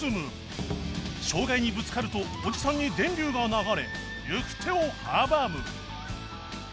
障害にぶつかるとおじさんに電流が流れ行く手を阻む